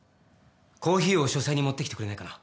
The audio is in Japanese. コーヒーを書斎に持ってきてくれないかな？